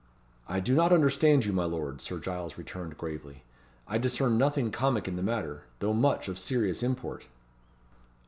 "I do not understand you, my lord," Sir Giles returned, gravely. "I discern nothing comic in the matter; though much of serious import."